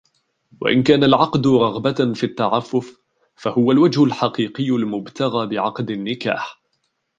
وَإِنْ كَانَ الْعَقْدُ رَغْبَةً فِي التَّعَفُّفِ فَهُوَ الْوَجْهُ الْحَقِيقِيُّ الْمُبْتَغَى بِعَقْدِ النِّكَاحِ